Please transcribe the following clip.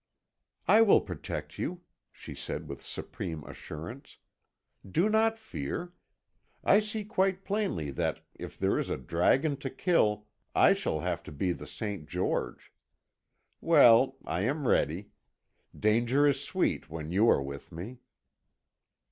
"I will protect you," she said with supreme assurance. "Do not fear. I see quite plainly that if there is a dragon to kill I shall have to be the St. George. Well, I am ready. Danger is sweet when you are with me."